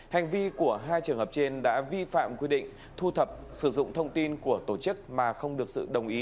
hành vi của hai trường hợp trên đã vi phạm quy định thu thập sử dụng thông tin của tổ chức mà không được sự đồng ý